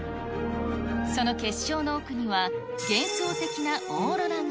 その結晶の奥には、幻想的なオーロラが。